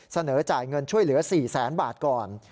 เสนอจ่ายเงินช่วยเหลือ๔แสนบาทก่อน